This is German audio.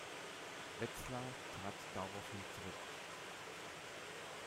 Wetzlar trat daraufhin zurück.